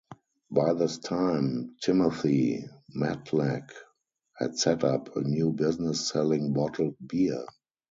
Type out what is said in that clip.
By this time Timothy Matlack had set up a new business selling bottled beer.